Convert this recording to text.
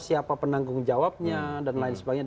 siapa penanggung jawabnya dan lain sebagainya